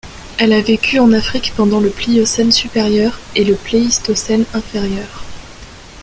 Elle a vécu en Afrique pendant le Pliocène supérieur et le Pléistocène inférieur.